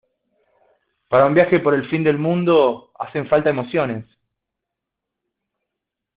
para un viaje por el fin del mundo hacen falta emociones